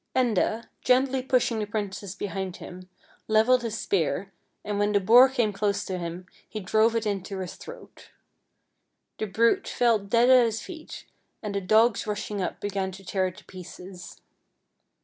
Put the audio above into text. Enda, gently pushing the princess behind him, leveled his spear, and when the boar came close to him he drove it into his throat. The brute fell dead at his feet, and the dogs rushing up began to tear it to pieces.